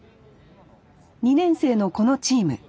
２年生のこのチーム。